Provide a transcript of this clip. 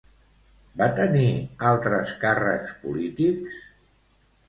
Va tenir altres càrrecs polítics?